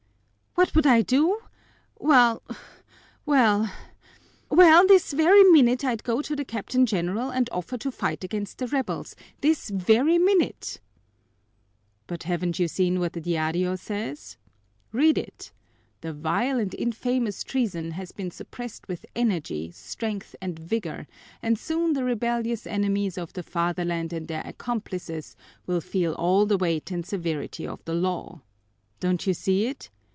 "What would I do? Well well well, this very minute I'd go to the Captain General and offer to fight against the rebels, this very minute!" "But haven't you seen what the Diario says? Read it: 'The vile and infamous treason has been suppressed with energy, strength, and vigor, and soon the rebellious enemies of the Fatherland and their accomplices will feel all the weight and severity of the law.' Don't you see it?